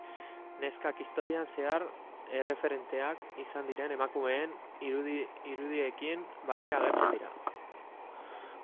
Neskak historian zehar erreferenteak izan diren emakumeen irudiekin batera agertzen dira.